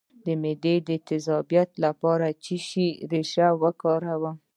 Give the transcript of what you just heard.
د معدې د تیزابیت لپاره د څه شي ریښه وکاروم؟